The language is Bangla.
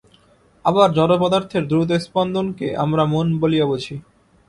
আবার জড়পদার্থের দ্রুত স্পন্দনকে আমরা মন বলিয়া বুঝি।